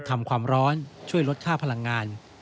ความร้อนช่วยลดค่าพลังงาน